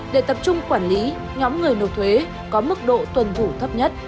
để tập trung quản lý nhóm người nộp thuế có mức độ tuân thủ thấp nhất